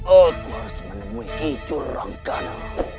aku harus menemui kicur rangkana